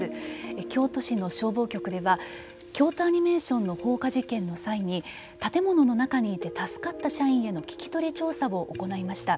京都市の消防局では京都アニメーションの放火事件の際に建物の中にいて助かった社員への聞き取り調査を行いました。